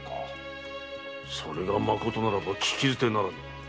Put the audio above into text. それがまことならば聞き捨てならぬ。